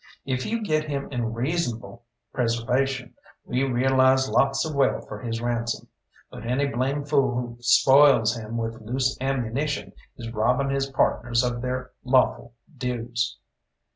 If you get him in reasonable preservation, we realise lots of wealth for his ransom; but any blamed fool who spoils him with loose ammunition is robbing his partners of theyr lawful dues."